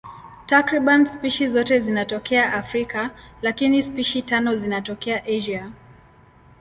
Takriban spishi zote zinatokea Afrika, lakini spishi tano zinatokea Asia.